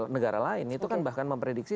negara lain itu kan bahkan memprediksi